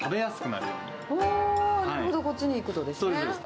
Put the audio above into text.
なるほど、こっちにいくとでそうです。